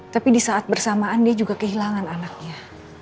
tapi di saat bersamaan dia juga kehilangan anaknya